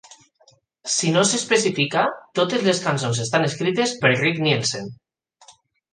Si no s'especifica, totes les cançons estan escrites per Rick Nielsen.